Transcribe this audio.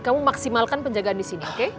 kamu maksimalkan penjagaan di sini